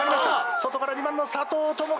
外から２番の佐藤友和。